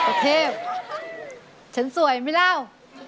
โอเคฉันสวยมั้ยล่าว